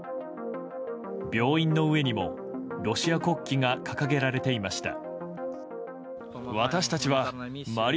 病院の上にもロシア国旗が掲げられていました。